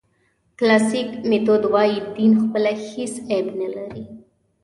کلاسیک میتود وایي دین پخپله هېڅ عیب نه لري.